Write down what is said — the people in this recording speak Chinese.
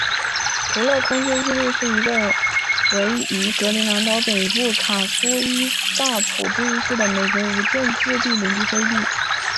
图勒空军基地是一个为于格陵兰岛北部卡苏伊特萨普自治市的美国无建制领地飞地。